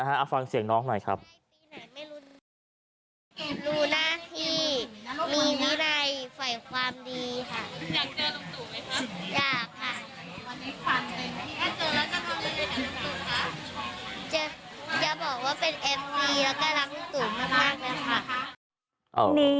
จะบอกว่าเป็นเอฟซีแล้วก็รักลุงตู่มากนะค่ะ